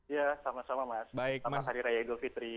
ya sama sama mas selamat hari raya idul fitri